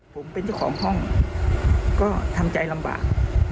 ผมเป็นเจ้าของห้องก็ทำใจลำบาก